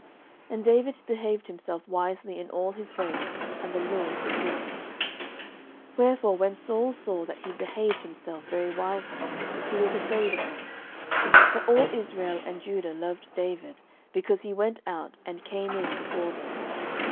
09:018:014 And David behaved himself wisely in all his ways; and the LORD was with him. 09:018:015 Wherefore when Saul saw that he behaved himself very wisely, he was afraid of him. 09:018:016 But all Israel and Judah loved David, because he went out and came in before them.